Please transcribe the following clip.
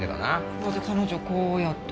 だって彼女こうやって。